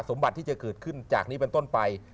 สมบัติที่จะเกิดขึ้นจากนี้เป็นต้นไป